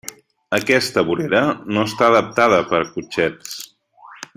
Aquesta vorera no està adaptada per a cotxets.